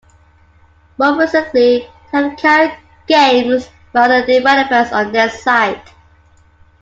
More recently, they have carried games by other developers on their site.